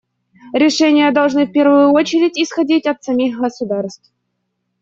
Решения должны, в первую очередь, исходить от самих государств.